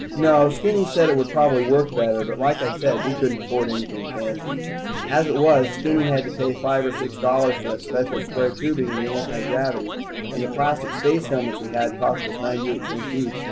No, Skinny said it would probably work better, but like I said, we couldn't afford anything fancy. As it was, Skinny had to pay five or six dollars for that special square tubing in the antigravity, and the plastic space helmets we had cost us ninety eight cents each.